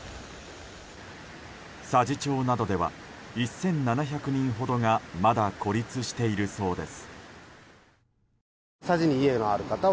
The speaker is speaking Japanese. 佐治町などでは１７００人ほどがまだ孤立しているそうです。